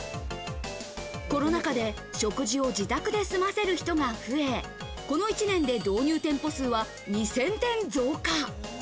コロナ禍で食事を自宅で済ませる人が増え、この１年で導入店舗数は２０００店増加。